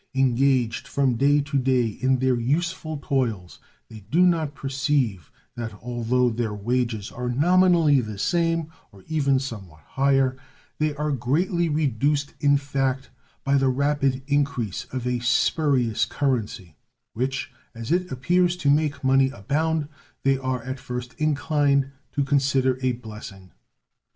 Engaged from day to day in their useful toils, they do not perceive that although their wages are nominally the same, or even somewhat higher, they are greatly reduced in fact by the rapid increase of a spurious currency, which, as it appears to make money abound, they are at first inclined to consider a blessing.